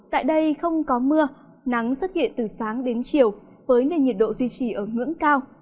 tại đây không có mưa nắng xuất hiện từ sáng đến chiều với nền nhiệt độ duy trì ở ngưỡng cao